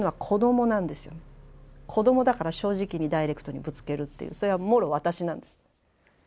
子供だから正直にダイレクトにぶつけるっていうそれはもろ私なんです。